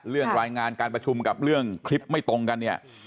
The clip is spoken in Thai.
เรื่องรายงานการประชุมกับเรื่องคลิปไม่ตรงกันเนี่ย